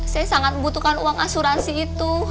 saya sangat butuhkan uang asuransi